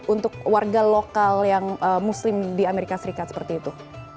untuk warga lokal yang muslim di amerika serikat seperti itu